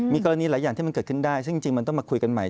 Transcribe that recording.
มีกรณีหลายอย่างที่มันเกิดขึ้นได้ซึ่งจริงมันต้องมาคุยกันใหม่